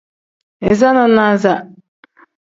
Iza nanasa.